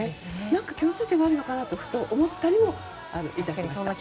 何か共通点があるのかな？とふと思ったり致しました。